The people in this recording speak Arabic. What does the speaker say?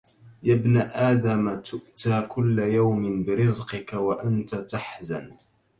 يَا ابْنَ آدَمَ تُؤْتَى كُلَّ يَوْمٍ بِرِزْقِك وَأَنْتَ تَحْزَنُ